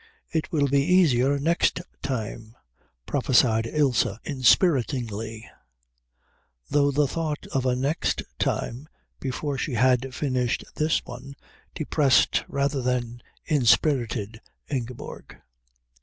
"It will be easier next time," prophesied Ilse inspiritingly; though the thought of a next time before she had finished this one depressed rather than inspirited Ingeborg.